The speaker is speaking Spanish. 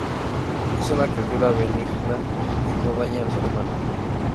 Es una criatura benigna y no daña al ser humano.